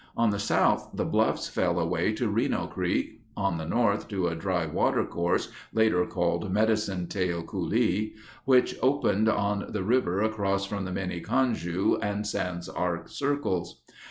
On the south the bluffs fell away to Reno Creek, on the north to a dry water course later called Medicine Tail Coulee, which opened on the river across from the Miniconjou and Sans Arc circles.